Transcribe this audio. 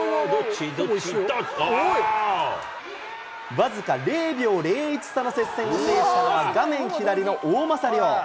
僅か０秒０１差の接戦を制したのは、画面左の大政涼。